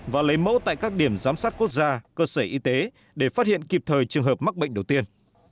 và lấy mẫu tại các điểm giám sát quốc gia cơ sở y tế để phát hiện kịp thời trường hợp mắc bệnh đầu tiên